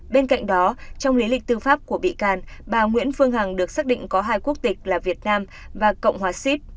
bên cạnh đó trong lý lịch tư pháp của bị can bà nguyễn phương hằng được xác định có hai quốc tịch là việt nam và cộng hòa sip